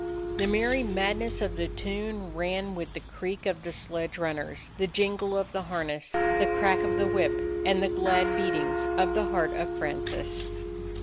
The merry madness of the tune ran with the creak of the sledge runners, the jingle of the harness, the crack of the whip, and the glad beatings of the heart of Francis.